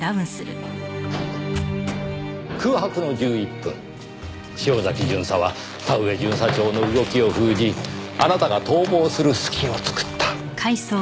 空白の１１分潮崎巡査は田上巡査長の動きを封じあなたが逃亡する隙を作った。